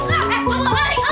maling jangan malu